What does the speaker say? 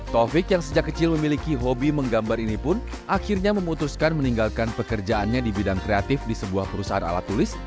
taufik yang sejak kecil memiliki hobi menggambar ini pun akhirnya memutuskan meninggalkan pekerjaannya di bidang kreatif di sebuah perusahaan alat tulis